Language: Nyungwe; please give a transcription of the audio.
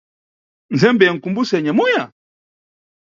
Mtsembe ya mkumbuso ya anyamuya?